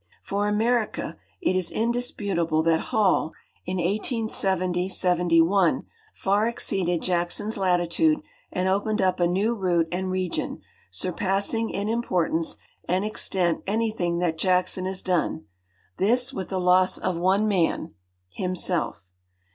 For America, it is indisputable that Hall, in 1870 '71, far exceeded Jack son's latitude and opened up a new route and region, surpassing in im l)ortance 'and extent anything that Jackson has done ; this with the loss of one man — himself.